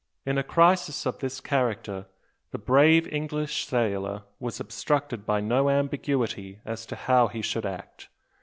In a crisis of this character, the brave English sailor was obstructed by no ambiguity as to how he should act.